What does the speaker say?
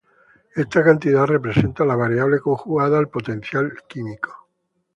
Esta cantidad representa la variable conjugada al potencial químico.